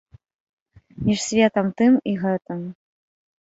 Між светам тым і гэтым.